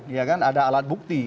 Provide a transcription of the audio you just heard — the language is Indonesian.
ya kan ada alat bukti